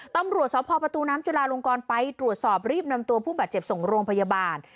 ตำรวจสพประตูน้ำจุลาลงกรไปตรวจสอบรีบนำตัวผู้บาดเจ็บส่งโรงพยาบาล